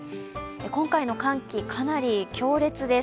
今回の寒気、かなり強烈です。